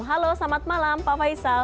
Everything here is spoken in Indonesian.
halo selamat malam pak faisal